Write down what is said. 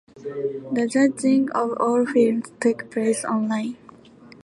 The judging of all films took place online.